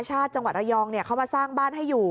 จังหวัดระยองเขามาสร้างบ้านให้อยู่